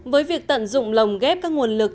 với việc tận dụng lồng ghép các nguồn lực